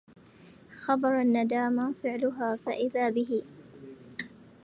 خَبرَ النَّدامى فعلَها فإذا بِهِ